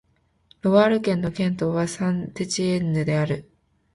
ロワール県の県都はサン＝テチエンヌである